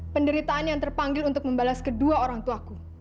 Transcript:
penderitaan yang terpanggil untuk membalas kedua orangtuaku